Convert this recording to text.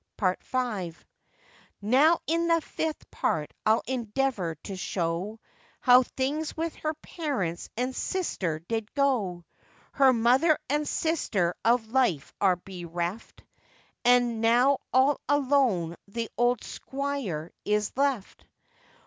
PART V. Now in the fifth part I'll endeavour to show, How things with her parents and sister did go; Her mother and sister of life are bereft, And now all alone the old squire is left.